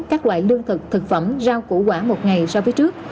các loại lương thực thực phẩm rau củ quả một ngày so với trước